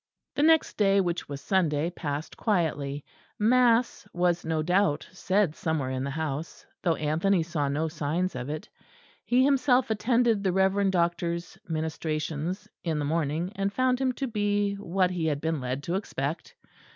The next day, which was Sunday, passed quietly. Mass was no doubt said somewhere in the house; though Anthony saw no signs of it. He himself attended the reverend doctor's ministrations in the morning; and found him to be what he had been led to expect.